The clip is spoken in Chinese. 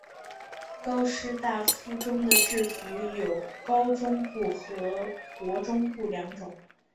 高师大附中的制服有高中部和国中部两种。